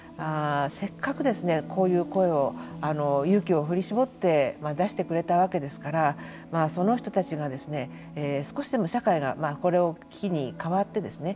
せっかく、こういう声を勇気を振り絞って出してくれたわけですからその人たちが少しでも社会がこれを機に変わってですね